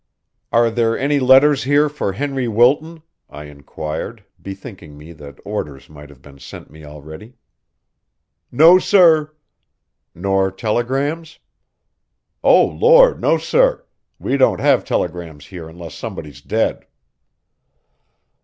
"Are there any letters here for Henry Wilton?" I inquired, bethinking me that orders might have been sent me already. "No, sir." "Nor telegrams?" "O Lord, no, sir. We don't have telegrams here unless somebody's dead."